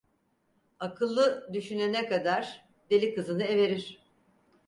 Akıllı düşünene kadar, deli kızını everir!